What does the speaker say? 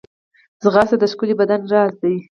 ځغاسته د ښکلي بدن راز دی